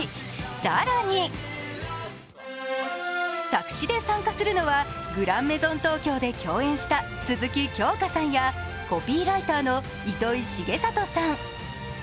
更に作詞で参加するのは「グランメゾン東京」で共演した鈴木京香さんやコピーライターの糸井重里さん。